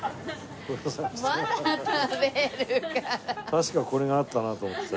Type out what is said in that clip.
確かこれがあったなと思って。